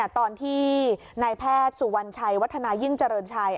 ตอนที่นายแพทย์สุวรรณชัยวัฒนายิ่งเจริญชัย